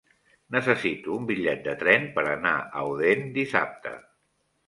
Necessito un bitllet de tren per anar a Odèn dissabte.